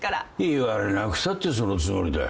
言われなくたってそのつもりだよ。